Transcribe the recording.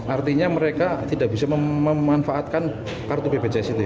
artinya mereka tidak bisa memanfaatkan kartu bpjs itu ya